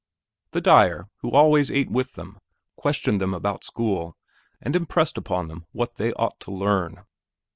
The dyer, who always ate with them, questioned them about school and impressed upon them what they ought to learn.